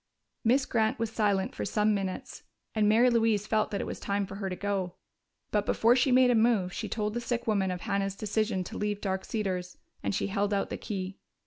Miss Grant was silent for some minutes, and Mary Louise felt that it was time for her to go. But before she made a move, she told the sick woman of Hannah's decision to leave Dark Cedars, and she held out the key.